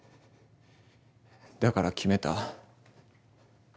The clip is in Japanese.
だから決めた。